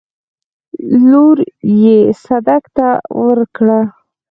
لور يې صدک ته ورکړه.